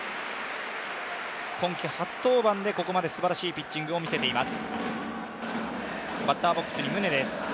今季初登板で、ここまですばらしいピッチングを見せています。